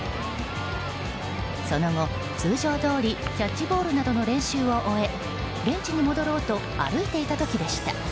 その後、通常どおりキャッチボールなどの練習を終えベンチに戻ろうと歩いていた時でした。